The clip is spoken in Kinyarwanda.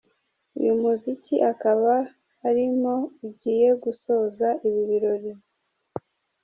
Uyu muziki akaba arimo ugiye gusoza ibi birori.